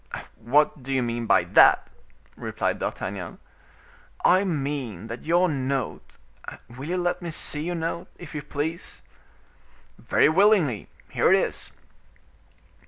"What do you mean by that?" replied D'Artagnan. "I mean that your note—will you let me see your note, if you please?" "Very willingly; here it is."